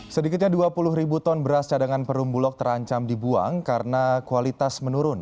sedikitnya dua puluh ribu ton beras cadangan perumbulok terancam dibuang karena kualitas menurun